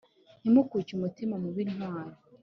ntimukuke umutima mube intwari